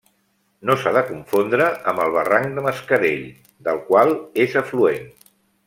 No s'ha de confondre amb el barranc de Mascarell, del qual és afluent.